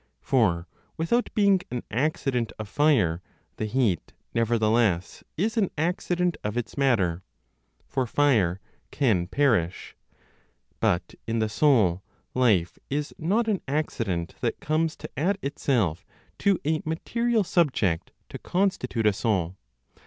For, without being an accident of fire, the heat, nevertheless, is an accident of its matter; for fire can perish. But, in the soul, life is not an accident that comes to add itself to a material subject to constitute a soul.